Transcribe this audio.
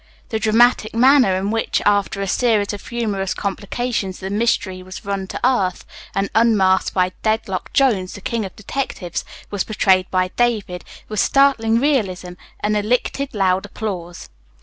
The dramatic manner in which, after a series of humorous complications, the Mystery was run to earth and unmasked by "Deadlock Jones, the King of Detectives," was portrayed by David with "startling realism" and elicited loud applause.